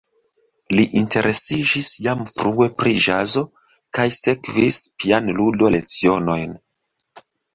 Li interesiĝis jam frue pri ĵazo kaj sekvis pianludo-lecionojn.